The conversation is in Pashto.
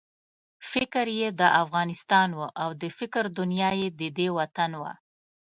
فکر یې د افغانستان وو او د فکر دنیا یې ددې وطن وه.